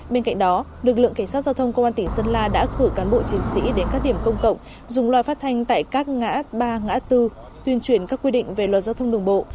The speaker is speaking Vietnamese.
bên cạnh đó lực lượng cảnh sát giao thông công an tỉnh sơn la đã cử cán bộ chiến sĩ đến các điểm công cộng dùng loa phát thanh tại các ngã ba ngã tư tuyên truyền các quy định về luật giao thông đường bộ